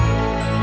aku mau ke rumah